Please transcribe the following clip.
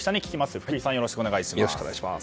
福井さん、よろしくお願いします。